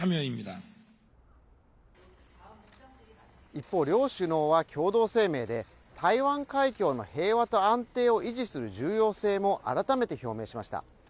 一方、両首脳は共同声明で台湾海峡の平和と安定を維持する重要性も改めて表明しました。